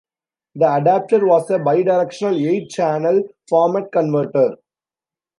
The adapter was a bidirectional eight-channel format converter.